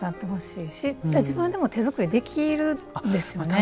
自分でも手作りできるんですよね。